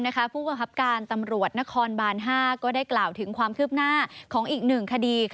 ผู้บังคับการตำรวจนครบาน๕ก็ได้กล่าวถึงความคืบหน้าของอีก๑คดี